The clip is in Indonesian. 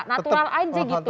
natural aja gitu